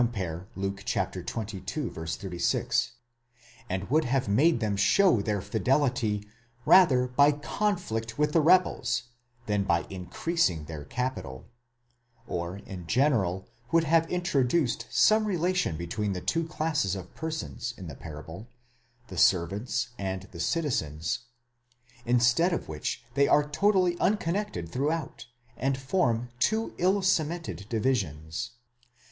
Luke xxii. 36),?° and would have made them show their fidelity rather by conflict with the rebels, than by increasing their capital; or in general would have introduced some relation between the two classes of persons in the parable, the servants and the citizens ; instead of which, they are totally unconnected throughout, and form two ill cemented divisions.